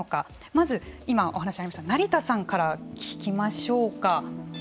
まず今、お話がありました成田さんから聞きましょうか。